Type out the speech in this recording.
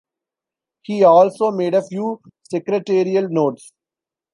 He also made a few secretarial notes.